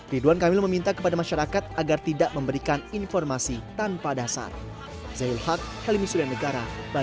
ridwan kamil meminta kepada masyarakat agar tidak memberikan informasi tanpa dasar